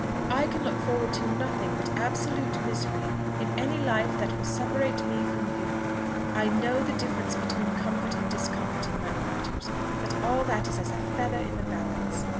I can look forward to nothing but absolute misery in any life that will separate me from you. I know the difference between comfort and discomfort in money matters, but all that is as a feather in the balance.